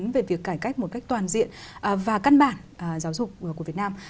về việc cải cách một cách toàn diện và căn bản giáo dục của việt nam